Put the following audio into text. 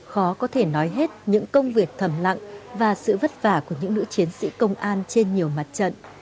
khó có thể nói hết những công việc thầm lặng và sự vất vả của những nữ chiến sĩ công an trên nhiều mặt trận